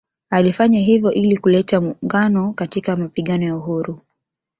Alifanya hivyo ili kuleta muungano katika mapigano ya uhuru